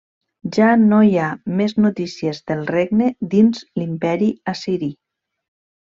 Ja no hi ha més notícies del regne dins l'imperi Assiri.